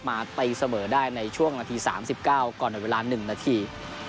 ตีเสมอได้ในช่วงนาที๓๙ก่อนเวลา๑นาที